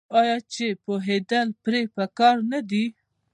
آیا چې پوهیدل پرې پکار نه دي؟